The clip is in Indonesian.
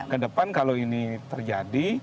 kedepan kalau ini terjadi